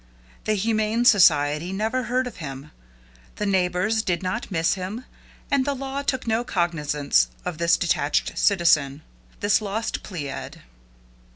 The humane society never heard of him, the neighbors did not miss him, and the law took no cognizance of this detached citizen this lost pleiad.